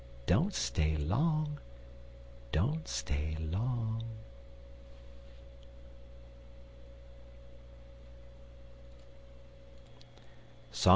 don't stay long! Don't stay long!